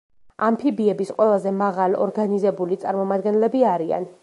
ამფიბიების ყველაზე მაღალორგანიზებული წარმომადგენლები არიან.